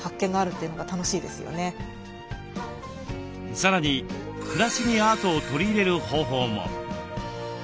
さらに暮らしにアートを取り入れる方法も。